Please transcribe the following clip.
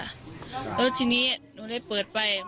แล้วทีนี้หนูเลยเปิดไป